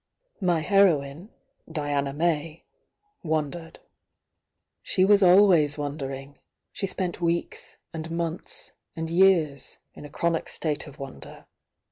My heroine, Diana May, wondered. She was al ways wondering. She spent weeks, and months, and years, m a chronic state of wonder.